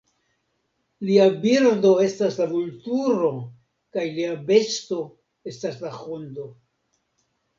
Lia birdo estas la vulturo, kaj lia besto estas la hundo.